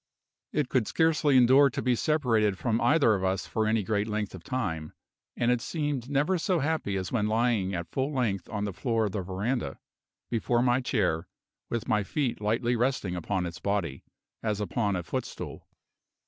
It could scarcely endure to be separated from either of us for any great length of time, and it seemed never so happy as when lying at full length on the floor of the veranda, before my chair, with my feet lightly resting upon its body, as upon a footstool.